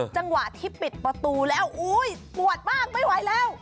จังหวะที่ปิดประตูแล้วอุ้ยปวดมากไม่ไหวแล้ว